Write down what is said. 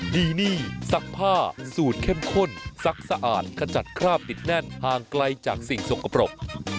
ดีนี่ซักผ้าสูตรเข้มข้นซักสะอาดขจัดคราบติดแน่นห่างไกลจากสิ่งสกปรก